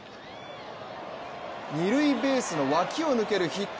二塁ベースの脇を抜けるヒット。